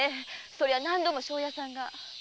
そりゃ何度も庄屋さんが。